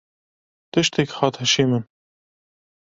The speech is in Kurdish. Tiştek hat hişê min.